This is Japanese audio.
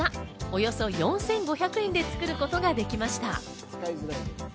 およそ４５００円で作ることができました。